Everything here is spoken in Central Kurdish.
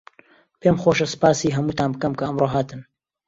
پێم خۆشە سپاسی هەمووتان بکەم کە ئەمڕۆ هاتن.